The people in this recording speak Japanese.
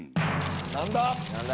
何だ？